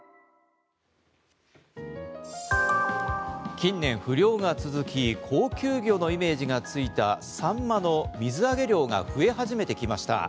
近年不漁が続き高級魚のイメージがついたサンマの水揚げ量が増え始めてきました。